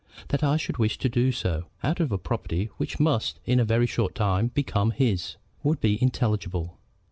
That I should wish to do so, out of a property which must in a very short time become his, would be intelligible.